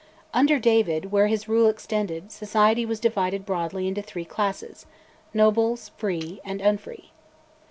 Under David, where his rule extended, society was divided broadly into three classes Nobles, Free, Unfree.